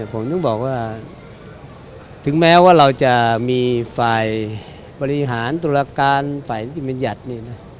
ผมต้องบอกว่าถึงแม้ว่าเราจะมีฝ่ายบริหารตุลการฝ่ายธิบัญญัติ